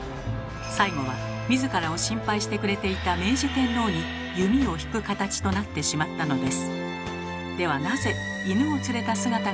最後は自らを心配してくれていた明治天皇に弓を引く形となってしまったのです。